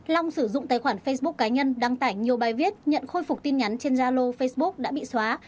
long sử dụng tài khoản facebook cá nhân đăng tải nhiều bài viết nhận khôi phục tin nhắn trên zalo facebook đã bị xóa